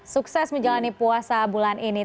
sukses menjalani puasa bulan ini